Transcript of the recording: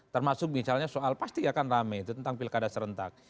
termasuk misalnya soal pasti akan rame itu tentang pilkada serentak